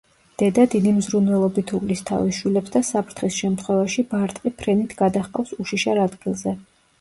დედა დიდი მზრუნველობით უვლის თავის შვილებს და საფრთხის შემთხვევაში ბარტყი ფრენით გადაჰყავს უშიშარ ადგილზე.